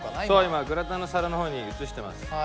今グラタンの皿の方に移してます。